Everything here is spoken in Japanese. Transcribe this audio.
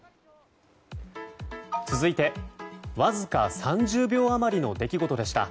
続いて、わずか３０秒余りの出来事でした。